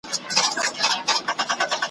پکښي غورځي د پلار وينه `